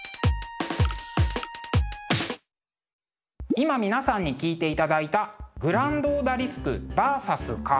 今皆さんに聴いていただいた「グランド・オダリスクＶＳ蚊」。